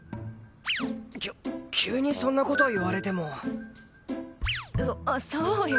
きゅ急にそんな事言われても。そそうよ。